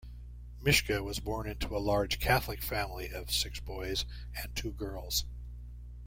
Mischke was born into a large Catholic family of six boys and two girls.